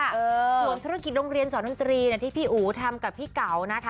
ส่วนธุรกิจโรงเรียนสอนดนตรีที่พี่อู๋ทำกับพี่เก๋านะคะ